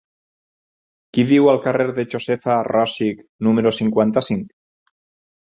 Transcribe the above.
Qui viu al carrer de Josefa Rosich número cinquanta-cinc?